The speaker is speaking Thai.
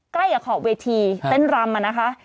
ใกล้กับขอบเวทีเต้นรำนะคะ